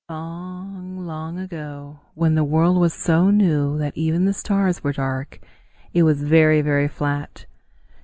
Long, long ago, when the world was so new that even the stars were dark, it was very, very flat.